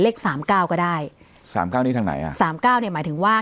เลขสามเก้าก็ได้สามเก้านี้ทางไหนอ่ะสามเก้าเนี่ยหมายถึงว่า